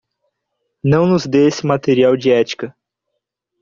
Não nos dê esse material de ética.